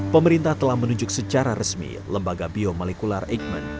pemerintah telah menunjuk secara resmi lembaga biomolekular aikman